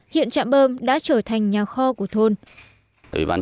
hiện trạm bơm đã trở thành nhà kho của thôn